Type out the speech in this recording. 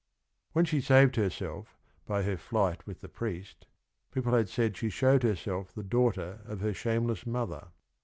When she saved herself by her flight with the priest~p eople had said she showed herse lf the daught er of her shameless mother.